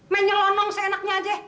main nyelonong seenaknya aja